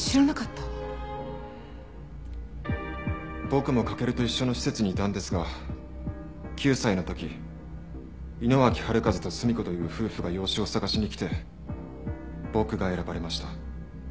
僕も駆と一緒の施設にいたんですが９歳の時井野脇治和と澄子という夫婦が養子を探しに来て僕が選ばれました。